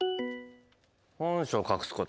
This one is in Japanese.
「本性を隠すこと」